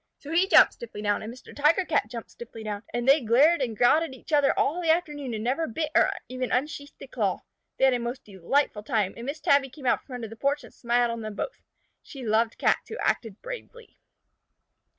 So he jumped stiffly down and Mr. Tiger Cat jumped stiffly down, and they glared and growled at each other all the afternoon and never bit or even unsheathed a claw. They had a most delightful time, and Miss Tabby came out from under the porch and smiled on them both. She loved Cats who acted bravely.